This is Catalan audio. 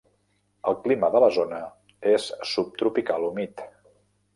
El clima de la zona és subtropical humit.